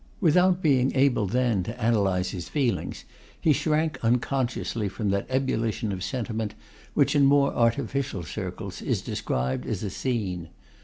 Without being able then to analyse his feelings, he shrank unconsciously from that ebullition of sentiment, which in more artificial circles is described as a scene.